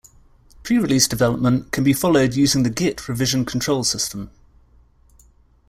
Prerelease development can be followed using the git revision control system.